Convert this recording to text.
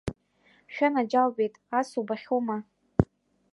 Шәанаџьалбеит, ас убахьоума!